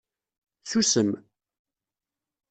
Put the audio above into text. Susem